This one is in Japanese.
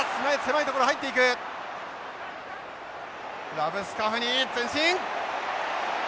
ラブスカフニ前進！